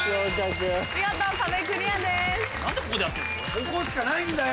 ここしかないんだよ！